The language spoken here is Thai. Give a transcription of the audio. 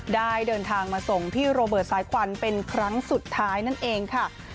ได้เดินทางมาส่งพี่โรเบิร์ตสายควันเป็นครั้งสุดท้ายนั่นเองค่ะ